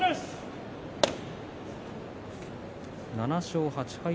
６勝８敗。